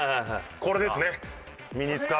これですね。